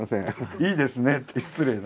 「いいですね」って失礼な。